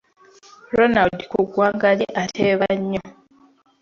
Ronald ku ggwanga lye ateeba nnyo.